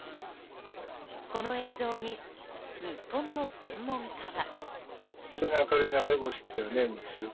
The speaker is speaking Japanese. この映像に、日本の専門家は。